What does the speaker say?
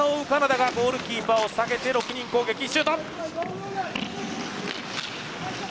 カナダがゴールキーパーを下げて６人攻撃。